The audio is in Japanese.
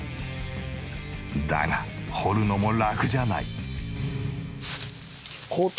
だが掘るのもラクじゃない。